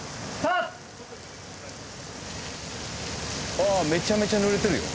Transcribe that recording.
あっめちゃめちゃ濡れてるよ